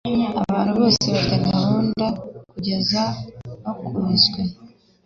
Abantu bose bafite gahunda… kugeza bakubiswe.”